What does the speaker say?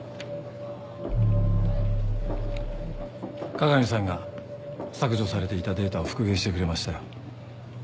加賀美さんが削除されていたデータを復元してくれましたよ。